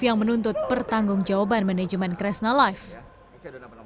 yang menuntut pertanggung jawaban manajemen kresna life